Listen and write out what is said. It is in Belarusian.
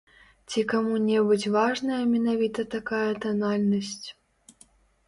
Ці каму-небудзь важная менавіта такая танальнасць?